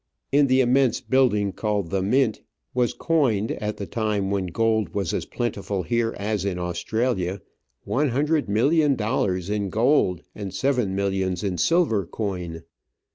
In the immense building called the Mint was coined, at the time when gold was as plentiful here as in Australia, one hundred millions of dollars in gold and seven millions in silver coin.